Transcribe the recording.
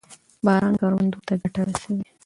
باران کروندو ته ګټه رسوي.